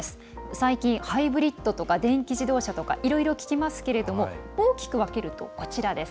最近、ハイブリッドとか電気自動車とかいろいろ聞きますけれども大きく分けると、こちらです。